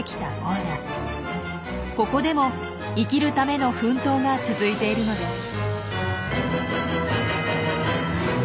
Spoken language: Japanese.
ここでも生きるための奮闘が続いているのです。